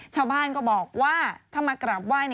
ชาวบ้านก็บอกว่าถ้ามากราบไหว้